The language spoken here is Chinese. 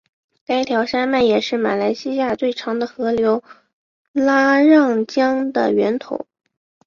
该条山脉也是马来西亚最长的河流拉让江的源头。